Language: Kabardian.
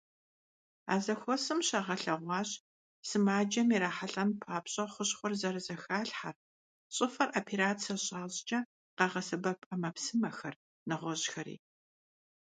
А зэхуэсым щагъэлъэгъуащ сымаджэм ирахьэлӀэн папщӀэ хущхъуэр зэрызэхалъхьэр, щӀыфэр операцэ щащӏкӏэ къагъэсэбэп ӏэмэпсымэхэр, нэгъуэщӀхэри.